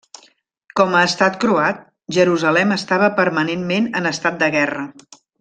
Com a estat croat, Jerusalem estava permanentment en estat de guerra.